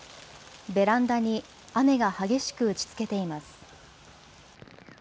ベランダに雨が激しく打ちつけています。